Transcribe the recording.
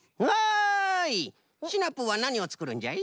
シナプーはなにをつくるんじゃい？